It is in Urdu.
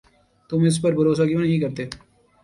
تم اس پر بھروسہ کیوں نہیں کرتے؟